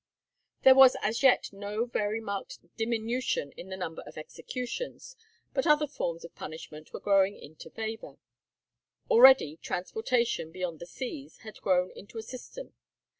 There was as yet no very marked diminution in the number of executions, but other forms of punishment were growing into favour. Already transportation beyond the seas had grown into a system.